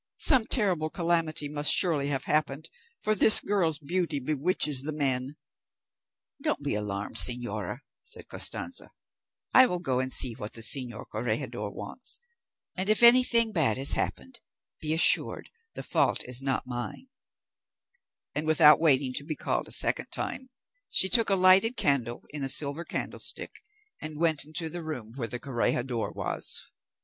Some terrible calamity must surely have happened, for this girl's beauty bewitches the men." "Don't be alarmed, señora," said Costanza, "I will go and see what the señor corregidor wants, and if anything bad has happened, be assured the fault is not mine;" and without waiting to be called a second time, she took a lighted candle in a silver candlestick, and went into the room where the corregidor was.